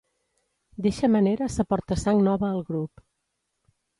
D'eixa manera s'aporta sang nova al grup.